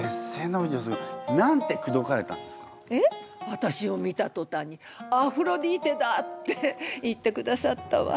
私を見たとたんに「アフロディーテだっ！！」って言ってくださったわ。